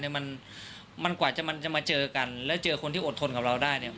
สำคัญกว่าจะมาเจอกันและเจอคนที่อดทนของเราได้